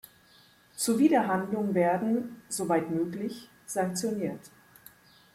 Zuwiderhandlungen werden soweit möglich sanktioniert.